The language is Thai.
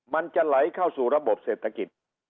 มันจะไหลเข้าสู่ระบบเศรษฐกิจ